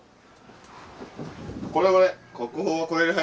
これこれ。